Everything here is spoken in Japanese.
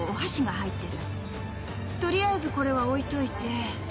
取りあえずこれは置いといて。